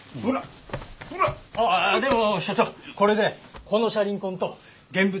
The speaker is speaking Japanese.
ああでも所長これでこの車輪痕と現物を照合できますね。